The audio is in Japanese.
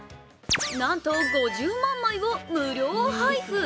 なんと５０万枚を無料配布。